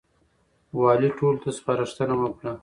والي ټولو ته سپارښتنه وکړه.